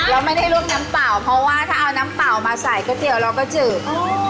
เราไม่ได้ลวกน้ำเปล่าเพราะว่าถ้าเอาน้ำเปล่ามาใส่ก๋วยเตี๋ยวเราก็จืด